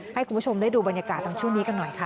ให้คุณผู้ชมได้ดูบรรยากาศตอนช่วงนี้กันหน่อยค่ะ